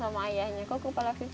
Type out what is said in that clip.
harus ada bpjs kalau ke rumah sakit